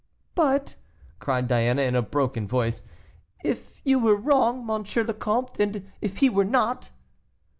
"But!" cried Diana, in a broken voice, "if you were wrong, M. le Comte, and if he were not."